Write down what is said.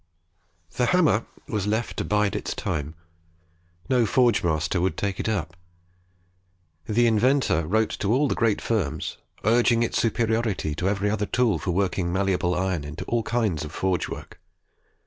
The hammer was left to bide its time. No forge master would take it up. The inventor wrote to all the great firms, urging its superiority to every other tool for working malleable iron into all kinds of forge work.